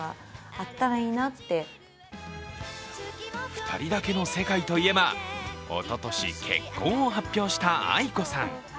２人だけの世界といえばおととし結婚を発表したａｉｋｏさん。